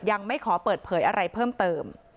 ยังไม่ขอเปิดเผยอะไรเพิ่มเติม